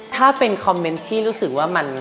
ถ้าเป็นคอมเมนต์ที่รู้สึกว่ามัน